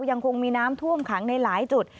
ยังคงมีน้ำท่วมขังในหลายจุด